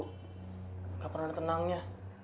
gak pernah tenangnya